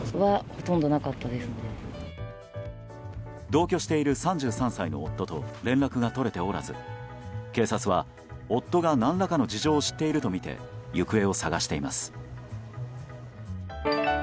同居している３３歳の夫と連絡が取れておらず警察は夫が何らかの事情を知っているとみて行方を捜しています。